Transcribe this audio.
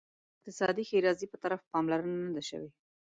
د اقتصادي ښیرازي په طرف پاملرنه نه ده شوې.